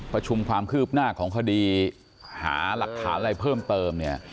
ประชุมความคืบหน้าของคดีหาหลักฐานอะไรเพิ่มเติมเนี่ย